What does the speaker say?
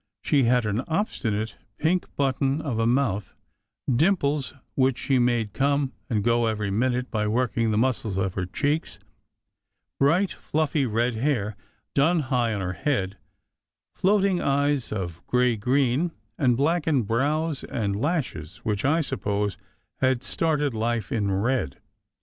She had an obstinate pink button of a mouth; dimples, which she made come and go every minute by working the muscles of her cheeks; bright, fluffy red hair done high on her head, floating eyes of gray green, and blackened brows and lashes which, I suppose, had started life in red.